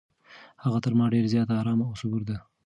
هغه تر ما ډېره زیاته ارامه او صبوره ده.